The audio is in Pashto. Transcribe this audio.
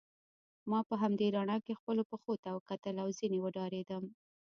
ما په همدې رڼا کې خپلو پښو ته وکتل او ځینې وډارېدم.